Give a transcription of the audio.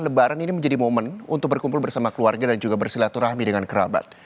lebaran ini menjadi momen untuk berkumpul bersama keluarga dan juga bersilaturahmi dengan kerabat